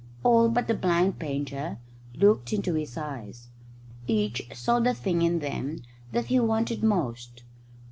All but the blind painter looked into his eyes. Each saw the thing in them that he wanted most.